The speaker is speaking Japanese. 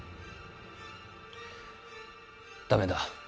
駄目だ。